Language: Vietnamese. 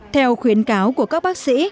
theo khuyến cáo của các bác sĩ